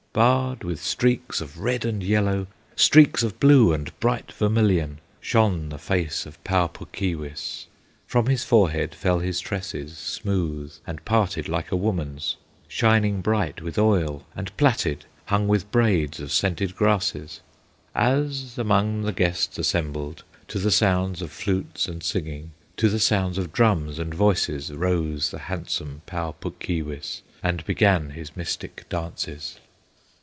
Barred with streaks of red and yellow, Streaks of blue and bright vermilion, Shone the face of Pau Puk Keewis. From his forehead fell his tresses, Smooth, and parted like a woman's, Shining bright with oil, and plaited, Hung with braids of scented grasses, As among the guests assembled, To the sound of flutes and singing, To the sound of drums and voices, Rose the handsome Pau Puk Keewis, And began his mystic dances.